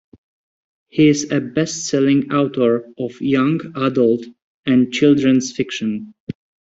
He is a bestselling author of young adult and children's fiction.